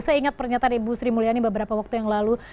saya ingat pernyataan ibu sri mulyani beberapa waktu yang lalu